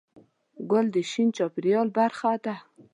ګل د شین چاپېریال برخه ده.